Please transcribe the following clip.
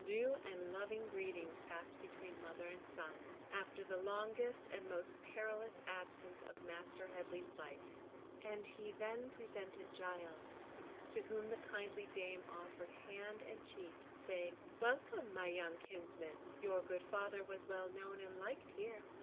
Due and loving greetings passed between mother and son, after the longest and most perilous absence of Master Headley's life, and he then presented Giles, to whom the kindly dame offered hand and cheek, saying, "Welcome, my young kinsman, your good father was well known and liked here.